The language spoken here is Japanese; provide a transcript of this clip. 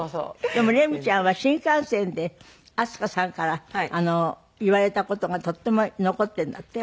でもレミちゃんは新幹線で明日香さんから言われた事がとっても残ってるんだって？